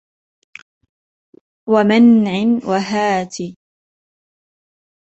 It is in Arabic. وَمَنْعٍ وَهَاتِ